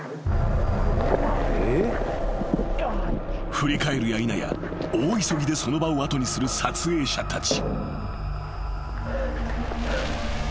［振り返るやいなや大急ぎでその場を後にする撮影者たち］